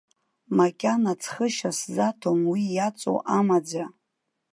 Макьана ҵхышьа сзаҭом уи иаҵоу амаӡа!